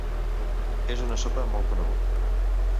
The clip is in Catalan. És una sopa molt coneguda.